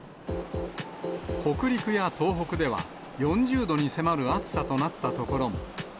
北陸や東北では、４０度に迫る暑さとなった所も。